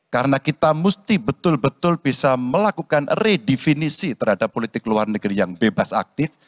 karena kita mesti betul betul bisa melakukan redefinisi terhadap politik luar negeri yang bebas aktif